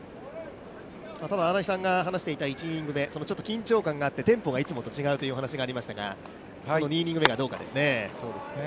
新井さんが話していた１イニング目緊張感があってテンポがいつもと違うというお話がありましたが、２イニングス目がどうかですね。